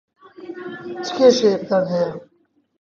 چ کێشەیەکتان هەیە؟